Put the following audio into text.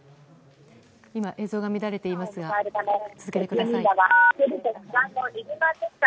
映像が乱れていますが続けてください。